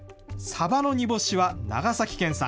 サバの煮干しは長崎県産。